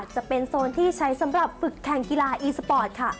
จะเป็นโซนที่ใช้สำหรับฝึกแข่งกีฬาอีสปอร์ตค่ะ